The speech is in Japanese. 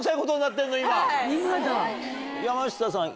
山下さん